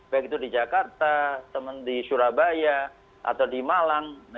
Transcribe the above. begitu di jakarta teman di surabaya atau di malang